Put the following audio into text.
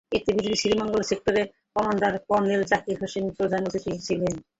এতে বিজিবির শ্রীমঙ্গল সেক্টরের কমান্ডার কর্নেল জাকির হোসেন প্রধান অতিথি ছিলেন।